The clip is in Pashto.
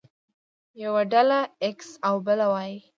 يوه ډله ايکس او بله وايي.